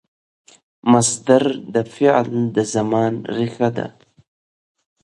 مصدر د فعل د زمان ریښه ده.